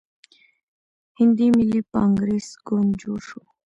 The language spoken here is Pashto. هندي ملي کانګریس ګوند جوړ شو.